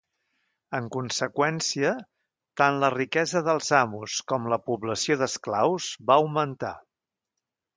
En conseqüència, tant la riquesa dels amos com la població d'esclaus va augmentar.